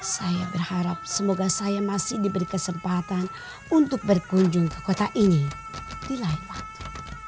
saya berharap semoga saya masih diberi kesempatan untuk berkunjung ke kota ini di lain waktu